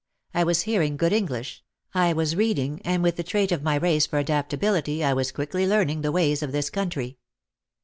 I was hearing good English, I was reading and with the trait of my race for adaptability I was quickly learning the ways of this country.